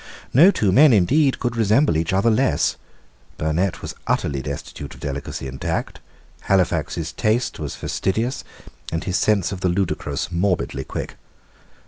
No two men, indeed, could resemble each other less. Burnet was utterly destitute of delicacy and tact. Halifax's taste was fastidious, and his sense of the ludicrous morbidly quick.